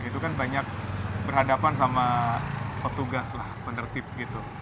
itu kan banyak berhadapan sama petugas lah penertib gitu